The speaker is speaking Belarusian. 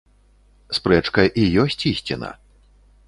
Спрэчка і ёсць ісціна.